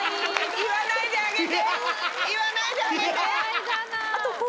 言わないであげて。